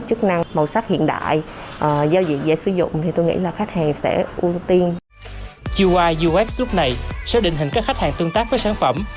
ui ux lúc này sẽ định hình các khách hàng tương tác với sản phẩm